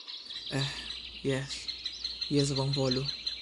Eh jes, jes bonvolu